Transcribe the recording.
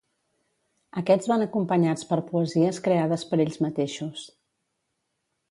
Aquests van acompanyats per poesies creades per ells mateixos.